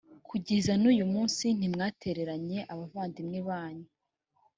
kugeza n uyu munsi ntimwatereranye abavandimwe banyu